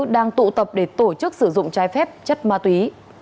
đang tụ tập để tổ chức sử dụng trái phép chất ma túy